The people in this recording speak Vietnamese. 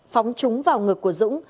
phóng trúng vào ngực của dũng